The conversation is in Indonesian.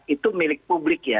itu milik publik ya